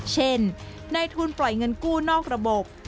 ในทุนปล่อยเงินกู้นอกระบบ